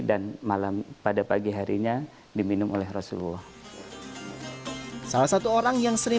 dan malam pada pagi harinya diminum oleh rasulullah salah satu orang yang sering